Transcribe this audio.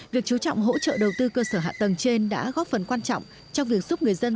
việc chú trọng hỗ trợ đầu tư cơ sở hạ tầng trên đã góp phần quan trọng trong việc giúp người dân